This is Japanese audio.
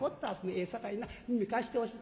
「ええさかいな耳貸してほしい」。